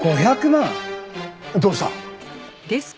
どうした？